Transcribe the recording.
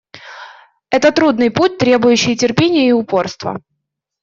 Это трудный путь, требующий терпения и упорства.